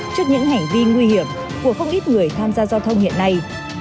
trước những hành vi nguy hiểm của không ít người tham gia giao thông hiện nay